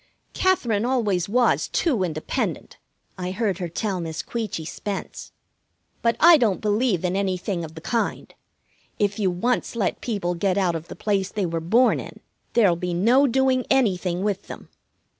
"Katherine always was too independent," I heard her tell Miss Queechy Spence. "But I don't believe in anything of the kind. If you once let people get out of the place they were born in, there'll be no doing anything with them.